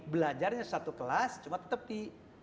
belajarnya satu kelas cuma tetap di